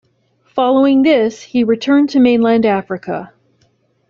Following this he returned to mainland Africa.